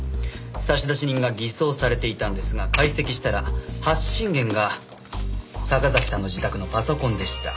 差出人が偽装されていたんですが解析したら発信元が坂崎さんの自宅のパソコンでした。